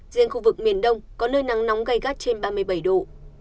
riêng khu vực miền đông có nơi nắng nóng gai gắt trên ba mươi bảy độ